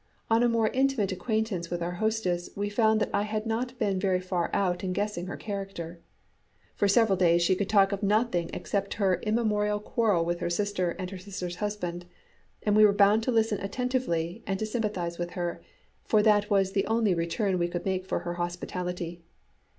On a more intimate acquaintance with our hostess we found that I had not been very far out in guessing her character. For several days she could talk of nothing except her immemorial quarrel with her sister and her sister's husband, and we were bound to listen attentively and to sympathise with her, for that was the only return we could make for her hospitality.